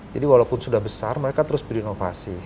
jadi walaupun sudah besar mereka terus berinovasi